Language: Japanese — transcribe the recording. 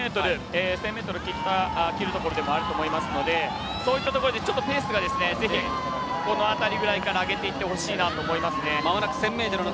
１０００ｍを切るところでもあると思いますがそういったところでペースがこの辺りぐらいから上げていってほしいなと思います。